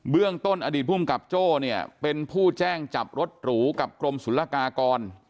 เรื่องต้นอดีตภูมิกับโจ้เนี่ยเป็นผู้แจ้งจับรถหรูกับกรมศุลกากร